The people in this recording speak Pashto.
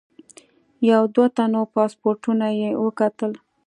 یو دوه تنو پاسپورټونه یې وکتل.